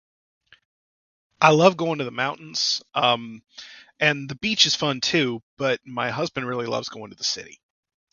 I love going to the mountains, um, and the beach is fun, too, but my husband really loves going to the city.